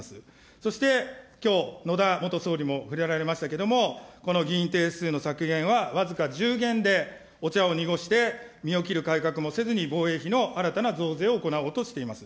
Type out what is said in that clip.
そしてきょう、野田元総理も触れられましたけれども、この議員定数の削減は僅か１０減でお茶を濁して、身を切る改革もせずに防衛費の新たな増税を行おうとしています。